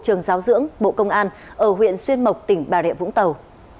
trường giáo dưỡng bộ công an ở huyện xuyên mộc tỉnh bà rịa vũng tàu